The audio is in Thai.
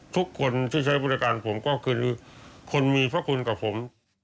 ทุกคนที่ใช้บริการผมก็คือคนมีพระคุณกับผม